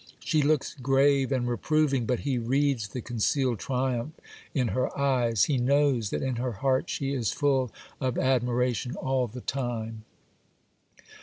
She looks grave and reproving; but he reads the concealed triumph in her eyes,—he knows that in her heart she is full of admiration all the time.